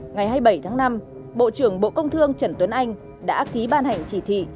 ngày hai mươi bảy tháng năm bộ trưởng bộ công thương trần tuấn anh đã ký ban hành chỉ thị